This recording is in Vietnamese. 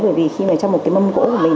bởi vì khi mà trong một cái mâm gỗ của mình